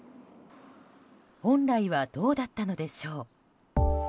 本来はどうだったのでしょう。